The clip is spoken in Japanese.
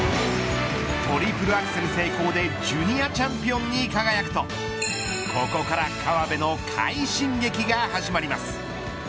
トリプルアクセル成功でジュニアチャンピオンに輝くとここから河辺の快進撃が始まります。